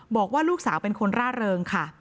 บอกว่าลูกสาวเป็นคนร่าเริงค่ะ